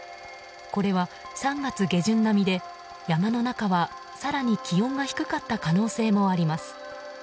これは３月下旬並みで山の中は更に気温が低かった可能性もあります。